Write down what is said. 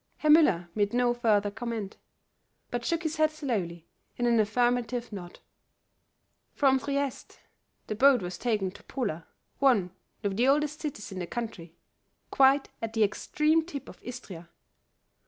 Herr Müller made no further comment, but shook his head slowly in an affirmative nod. From Trieste the boat was taken to Pola, one of the oldest cities in the country, quite at the extreme tip of Istria.